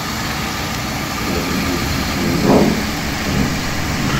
در این یکی کمی پوسیدگی دارید.